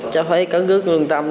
cháu phải cấn cức lương tâm